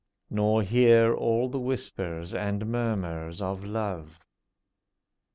Nor hear all the whispers and murmurs of love.